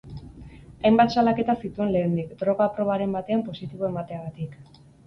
Hainbat salaketa zituen lehendik, droga probaren batean positibo emateagatik.